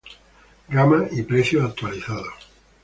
Gama y precios actualizados